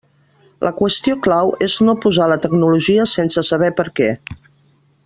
La qüestió clau és no posar la tecnologia sense saber per què.